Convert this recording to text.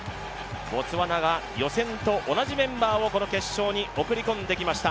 ボツワナが予選と同じメンバーを決勝に送り込んできました。